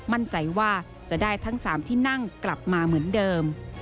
มั่นใจว่าจะได้ทั้ง๓ที่นั่งกลับมาเหมือนเดิม